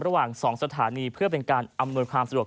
ระหว่าง๒สถานีเพื่อเป็นการอำนวยความสะดวก